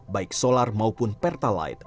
baik solar maupun pertalite